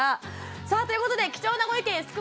さあということで貴重なご意見すく